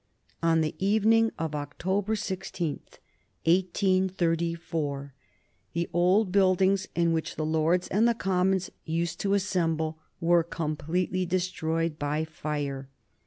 On the evening of October 16, 1834, the old buildings in which the Lords and the Commons used to assemble were completely destroyed by fire.